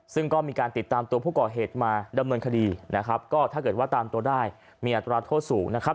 ซึ่งก็มีการติดตามตัวผู้ก่อเหตุมาดำเนินคดีนะครับก็ถ้าเกิดว่าตามตัวได้มีอัตราโทษสูงนะครับ